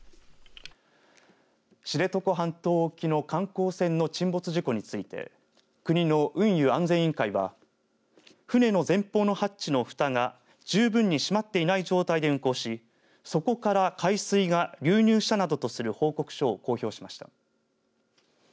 知床半島沖の観光船の沈没事故について国の運輸安全委員会は船の前方のハッチのふたが十分に閉まっていない状態で運航し、そこから海水が流入したなどとする報告書を公表しました。